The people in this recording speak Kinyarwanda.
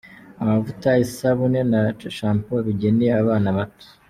Amavuta isabune na champoo bigenewe Abana bato.